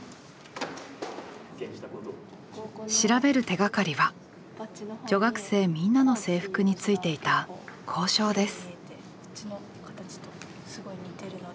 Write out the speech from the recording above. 調べる手がかりは女学生みんなの制服についていた校章です。